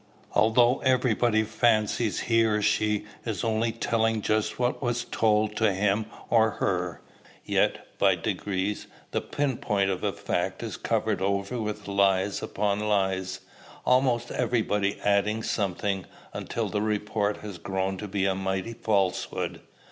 Although everybody fancies he or she is only telling just what was told to him or her, yet, by degrees, the pin's point of a fact is covered over with lies upon lies, almost everybody adding something, until the report has grown to be a mighty falsehood.